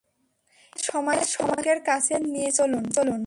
একে সমাজসেবকের কাছে নিয়ে চলুন।